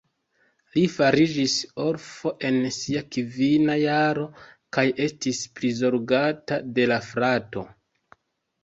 Li fariĝis orfo en sia kvina jaro kaj estis prizorgata de la frato.